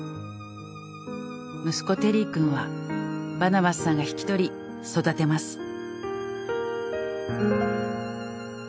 息子テリーくんはバナバスさんが引き取り育てます。